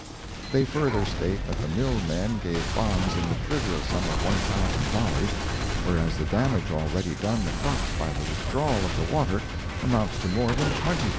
They further state that the mill men gave bonds in the trivial sum of $1,000, whereas the damage already done the crops by the withdrawal of the water amounts to more than $20,000.